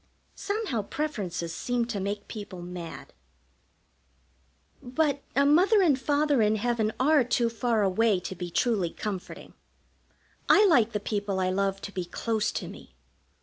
Somehow preferences seem to make people mad. But a Mother and Father in heaven are too far away to be truly comforting. I like the people I love to be close to me.